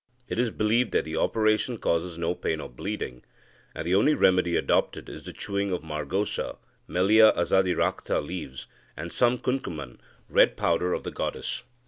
It is believed that the operation causes no pain or bleeding, and the only remedy adopted is the chewing of margosa (Melia Azadirachta) leaves and some kunkumam (red powder) of the goddess.